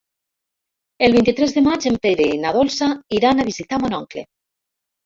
El vint-i-tres de maig en Pere i na Dolça iran a visitar mon oncle.